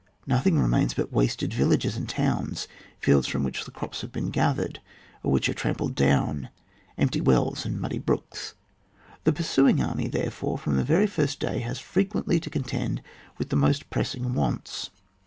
Nothing remains but wasted villages and towns, fields from which the crops have been gathered, or which are trampled down, empty wells, and muddy brooks. The pursuing army, therefore, from the very first day, has frequently to con tend with the most pressing wants.